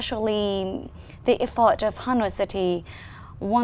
giúp trang phóng đại diện